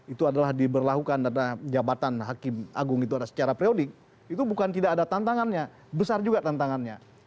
itu adalah diberlakukan dan jabatan hakim agung itu secara periodik itu bukan tidak ada tantangannya besar juga tantangannya